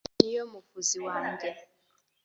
niyo muvuzi wanjye